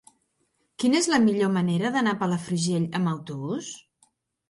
Quina és la millor manera d'anar a Palafrugell amb autobús?